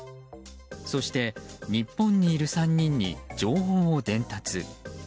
そして、日本にいる３人に情報を伝達。